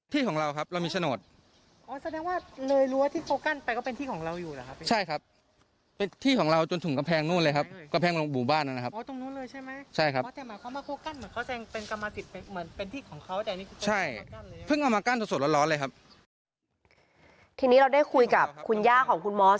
ทีนี้เราได้คุยกับคุณย่าของคุณมอส